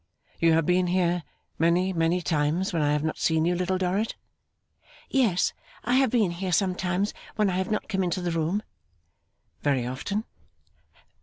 'You have been here many, many times, when I have not seen you, Little Dorrit?' 'Yes, I have been here sometimes when I have not come into the room.' 'Very often?